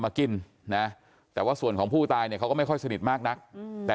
มากินนะแต่ว่าส่วนของผู้ตายเนี่ยเขาก็ไม่ค่อยสนิทมากนักแต่